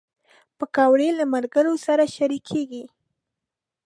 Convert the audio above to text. پکورې له ملګرو سره شریکېږي